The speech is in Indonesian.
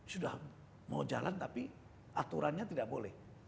sudah mau jalan tapi aturannya tidak boleh